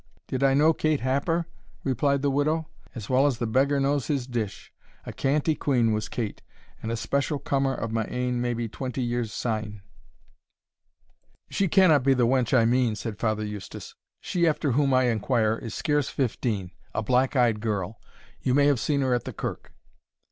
"Did I know Kate Happer?" replied the widow; "as well as the beggar knows his dish a canty quean was Kate, and a special cummer of my ain maybe twenty years syne." "She cannot be the wench I mean," said Father Eustace; "she after whom I inquire is scarce fifteen, a black eyed girl you may have seen her at the kirk."